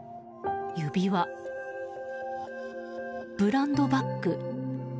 指輪、ブランドバッグ。